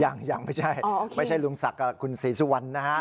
ยังยังไม่ใช่ไม่ใช่ลุงศักดิ์กับคุณศรีสุวรรณนะฮะ